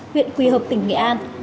huyện quỳ hợp tỉnh nghệ an